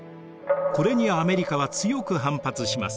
これにアメリカは強く反発します。